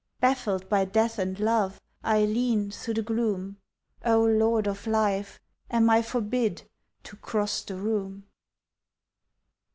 Baffled by death and love, I lean Through the gloom. O Lord of life! am I forbid To cross the room?